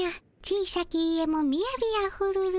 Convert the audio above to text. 小さき家もみやびあふるる」。